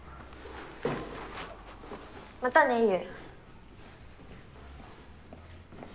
またね悠。